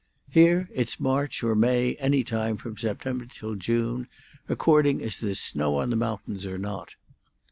Here it's March or May any time from September till June, according as there's snow on the mountains or not."